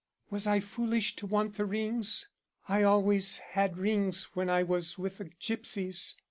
Was I foolish to want the rings? I always had rings when I was with the gipsies.